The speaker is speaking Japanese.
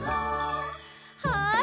はい。